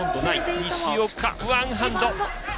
西岡、ワンハンド。